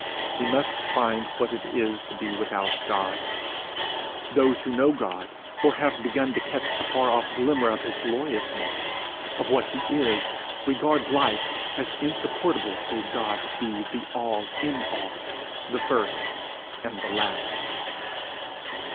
He must find what it is to be without God! Those who know God, or have but begun to catch a far off glimmer of his gloriousness, of what he is, regard life as insupportable save God be the All in all, the first and the last.